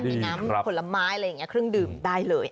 มีน้ำผลไม้อะไรอย่างนี้เครื่องดื่มได้เลย